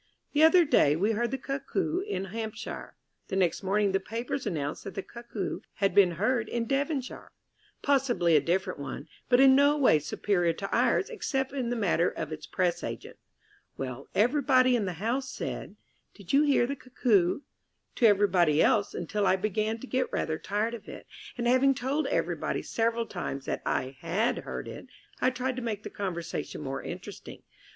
The other day we heard the Cuckoo in Hampshire. (The next morning the papers announced that the Cuckoo had been heard in Devonshire possibly a different one, but in no way superior to ours except in the matter of its Press agent.) Well, everybody in the house said, "Did you hear the Cuckoo?" to everybody else, until I began to get rather tired of it; and, having told everybody several times that I had heard it, I tried to make the conversation more interesting.